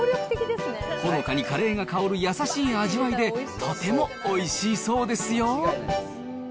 ほのかにカレーが香る優しい味わいで、とてもおいしいそうですよ